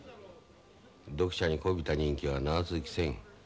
読者にこびた人気は長続きせん。